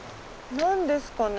何ですかね。